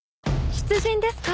出陣ですか？